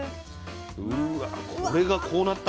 うわこれがこうなった？